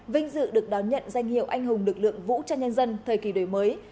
vinh dự được đón nhận danh hiệu anh hùng lực lượng vũ trang nhân dân thời kỳ đổi mới